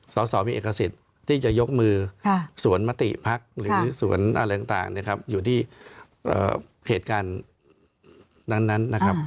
สอสอมีเอกสิทธิ์ที่จะยกมือสวนมติพักหรือสวนอะไรต่างนะครับอยู่ที่เหตุการณ์นั้นนะครับ